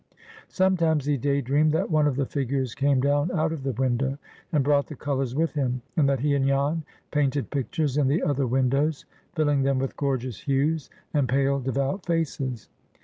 Sometimes he day dreamed that one of the figures came down out of the window, and brought the colors with him, and that he and Jan painted pictures in the other windows, filling them with gorgeous hues, and pale, devout faces.